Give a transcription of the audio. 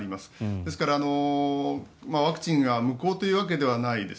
ですから、ワクチンが無効というわけではないです。